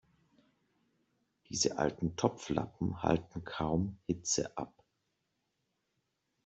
Diese alten Topflappen halten kaum Hitze ab.